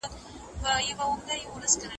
زه د بني غاضرة د کورنۍ یو مریی یم.